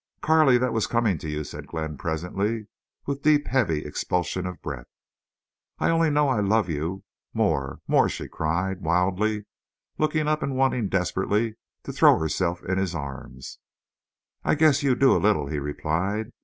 "Carley, that was coming to you," said Glenn, presently, with deep, heavy expulsion of breath. "I only know I love you—more—more," she cried, wildly, looking up and wanting desperately to throw herself in his arms. "I guess you do—a little," he replied.